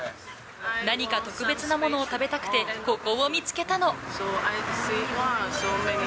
何か特別なものを食べたくて、ここを見つけたの。